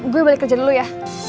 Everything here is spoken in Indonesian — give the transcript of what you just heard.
gue balik kerja dulu ya